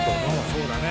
そうだね。